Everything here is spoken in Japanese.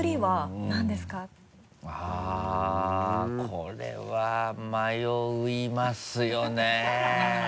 これは迷いますよね。